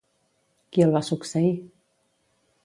Qui el va succeir?